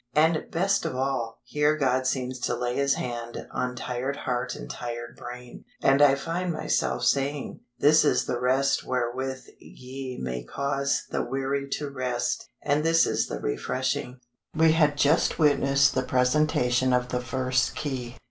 And best of all, here God seems to lay His Hand on tired heart and tired brain; and I find myself saying, "This is the rest wherewith ye may cause the weary to rest, and this is the refreshing." We had just witnessed the presentation of the first key.